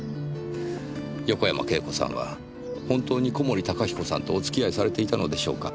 横山慶子さんは本当に小森高彦さんとお付き合いされていたのでしょうか？